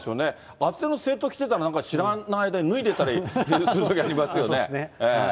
厚手のスエットなんか着てたら、なんか知らない間に脱いでたりするときありますよね。